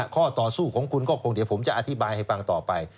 ข้อต่อสู้ของคุณก็คงเดี๋ยวผมจะอธิบายให้ฟังต่อไป